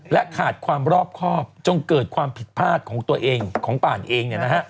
และขาดความรอบครอบจงเกิดความผิดพลาดของตัวเองของป่านเอง